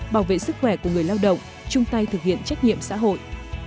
bảo vệ sức khỏe của người lao động chung tay thực hiện trách nhiệm xã hội